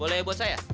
boleh buat saya